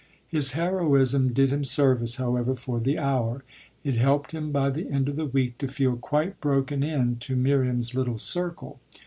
His heroism did him service, however, for the hour; it helped him by the end of the week to feel quite broken in to Miriam's little circle.